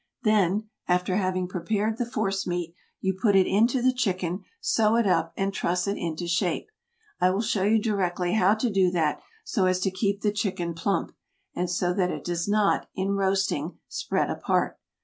Then, after having prepared the force meat, you put it into the chicken, sew it up and truss it into shape. I will show you directly how to do that so as to keep the chicken plump, and so that it does not, in roasting, spread apart.